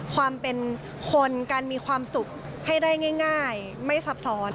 ความเป็นคนการมีความสุขให้ได้ง่ายไม่ซับซ้อน